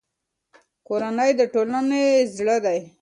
کورنۍ د ټولنې زړه دی.